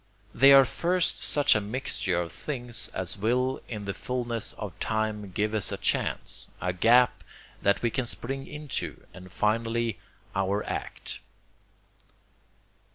They are first such a mixture of things as will in the fulness of time give us a chance, a gap that we can spring into, and, finally, OUR ACT.